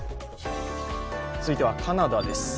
続いてはカナダです。